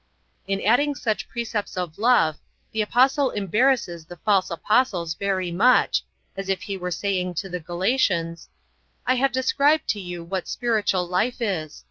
In adding such precepts of love the Apostle embarrasses the false apostles very much, as if he were saying to the Galatians: "I have described to you what spiritual life is.